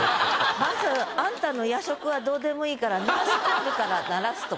まずあんたの夜食はどうでもいいからナースコールから鳴らすと。